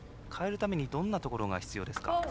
変えるためにどんなところが必要ですか？